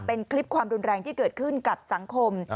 เป็นคลิปความรุนแรงที่เกิดขึ้นกับสังคม